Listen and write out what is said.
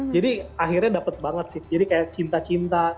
jadi akhirnya dapet banget sih jadi kayak cinta cinta